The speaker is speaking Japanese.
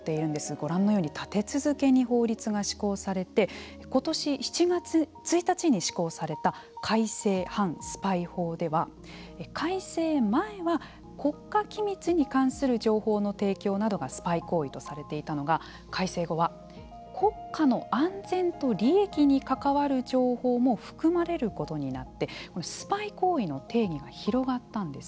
ご覧のように、立て続けに法律が施行されてことし７月１日に施行された改正反スパイ法では改正前は国家機密に関する情報の提供などがスパイ行為とされていたのが改正後は国家の安全と利益に関わる情報も含まれることになってスパイ行為の定義が広がったんです。